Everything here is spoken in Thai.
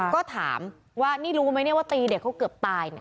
ก็ถามว่านี่รู้ไหมว่าตีเด็กเขาเกือบตาย